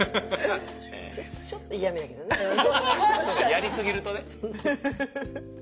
やりすぎるとね。